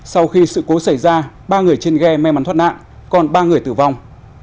sau khi sự cố xảy ra ba người trên ghe may mắn thoát nạn còn ba người tử vong